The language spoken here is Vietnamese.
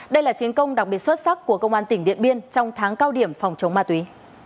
đây là chiến công đặc biệt xuất sắc của công an tỉnh điện biên trong tháng cao điểm phòng chống ma túy